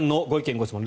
・ご質問